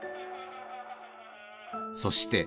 そして。